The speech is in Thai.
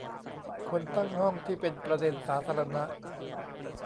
คนตั้งห้องที่เป็นประเด็นสาธารณะ